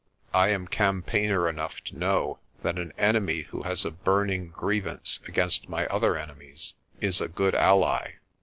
I am campaigner enough to know that an enemy who has a burning grievance against my other enemies is a good ally.